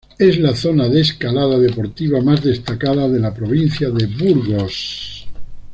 Es la zona de escalada deportiva más destacada de la provincia de Burgos.